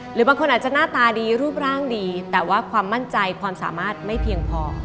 หรือบางคนอาจจะหน้าตาดีรูปร่างดีแต่ว่าความมั่นใจความสามารถไม่เพียงพอ